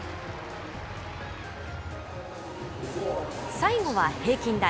最後は平均台。